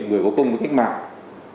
người có công với cách mạng